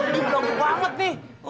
buset lo lo berlaku banget nih